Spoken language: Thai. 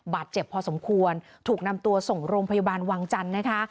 บาดเจ็บพอสมควรถูกนำตัวส่งโรงพยาบาลวังจันทร์นะคะ